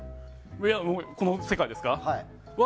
この世界ですか？